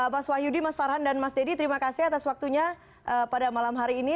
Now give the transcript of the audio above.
mas wahyudi mas farhan dan mas deddy terima kasih atas waktunya pada malam hari ini